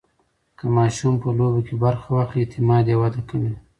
که ماشوم په لوبو کې برخه واخلي، اعتماد یې وده کوي.